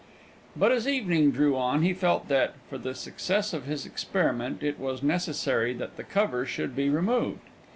But as evening drew on he felt that, for the success of his experiment, it was necessary that the cover should be removed.